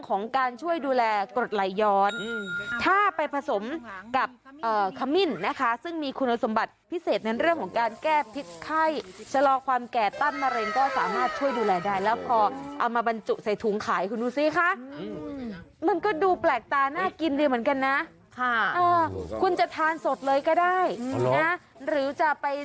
ก็เหมือนกินเป็นยาด้วยค่ะสัมภาฟุรีอย่างเยอะ